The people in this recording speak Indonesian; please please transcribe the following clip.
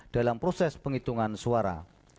dalam proses penghitungan suara